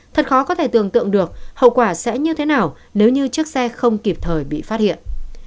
thật khó có thể tưởng tượng được hậu quả sẽ như thế nào nếu như chiếc xe không kịp thời bị phát hiện